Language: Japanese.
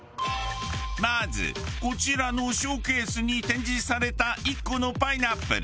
まずこちらのショーケースに展示された１個のパイナップル。